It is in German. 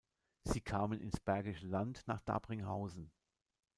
Sie kamen ins Bergische Land nach Dabringhausen.